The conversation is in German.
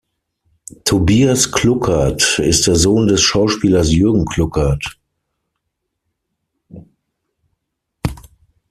Tobias Kluckert ist der Sohn des Schauspielers Jürgen Kluckert.